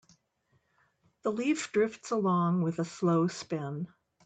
The leaf drifts along with a slow spin.